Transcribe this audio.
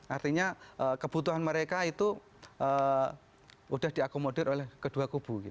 artinya kebutuhan mereka itu sudah diakomodir oleh kedua kubu